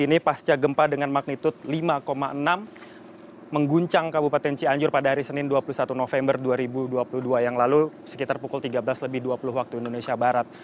ini pasca gempa dengan magnitud lima enam mengguncang kabupaten cianjur pada hari senin dua puluh satu november dua ribu dua puluh dua yang lalu sekitar pukul tiga belas lebih dua puluh waktu indonesia barat